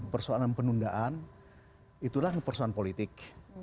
persoalan penundaan itulah persoalan politik